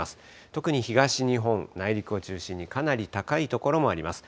特に東日本、内陸を中心にかなり高い所もあります。